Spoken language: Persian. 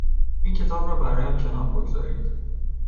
این کتاب را برایم کنار بگذارید.